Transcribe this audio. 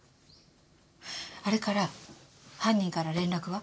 あれから犯人から連絡は？